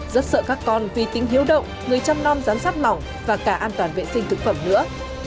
rất sợ các con vì tính hiếu động người chăm lo giám sát mỏng và cả an toàn vệ sinh thực phẩm nữa